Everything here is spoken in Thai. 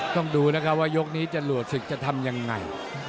ต้องดูนะครับว่ายกนี้จรวดศึกจะทำยังไง